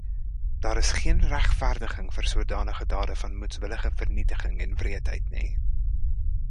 Daar is geen regverdiging vir sodanige dade van moedswillige vernietiging en wreedheid nie.